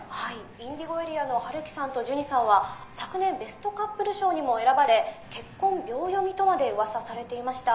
ＩｎｄｉｇｏＡＲＥＡの陽樹さんとジュニさんは昨年ベストカップル賞にも選ばれ結婚秒読みとまで噂されていました。